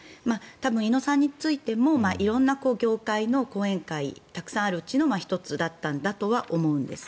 多分、井野さんについても色んな業界の後援会たくさんあるうちの１つだったんだとは思うんです。